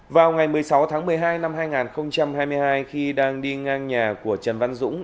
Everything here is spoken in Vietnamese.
vào ngày một mươi sáu tháng một mươi hai năm hai nghìn hai mươi hai khi đang đi ngang nhà của trần văn dũng